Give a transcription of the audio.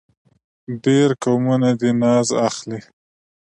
ډېر قومونه دې ناز اخلي.